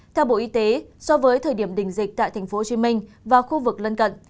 theo bộ y tế so với thời điểm đỉnh dịch tại tp hcm và khu vực lân cận